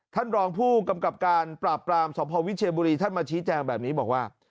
ท่านรองผู้กำกับการปราบปรามสพวิเชียบุรีท่านมาชี้แจงแบบนี้บอกว่า